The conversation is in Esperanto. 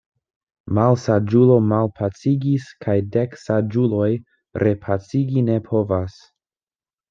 Malsaĝulo malpacigis kaj dek saĝuloj repacigi ne povas.